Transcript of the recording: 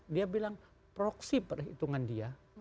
dia bilang proksi perhitungan dia